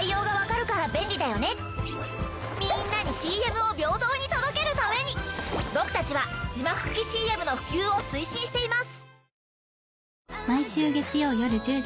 みんなにＣＭを平等に届けるために僕たちは字幕付きＣＭの普及を推進しています。